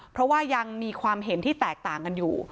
เพราะว่ายังมีความเห็นที่แตกต่างกันอยู่